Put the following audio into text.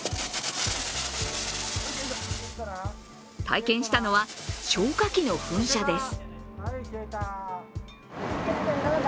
体験したのは消火器の噴射です。